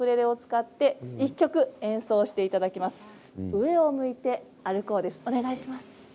お願いします。